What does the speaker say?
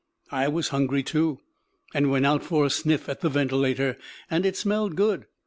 I was hungry too, and went out for a sniff at the ventilator; and it smelled good.